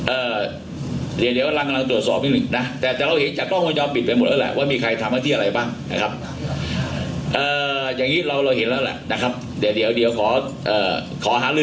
เอ่อเดี๋ยวเดี๋ยวเราตรวจสอบเล็งนะแต่ถ้าเราเห็นจากกล้องมันมันมีไปหมดแล้วว่าใครทำเกี่ยวอะไรรึ๕๕๕๕๕๕๕